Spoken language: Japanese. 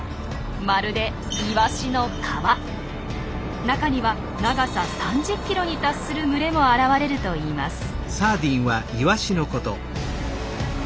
まるで中には長さ３０ｋｍに達する群れも現れるといいます。